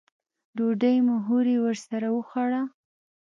ډوډۍ مو هورې ورسره وخوړله.